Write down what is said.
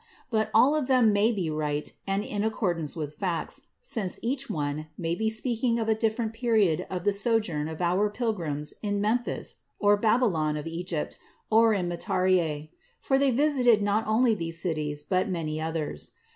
But all of them may be right and in accordance with facts, since each one may be speaking of a different period of the sojourn of our Pilgrims in Memphis, or Babylon of Egypt, or in Matarieh; for they visited not only these cities, but many others.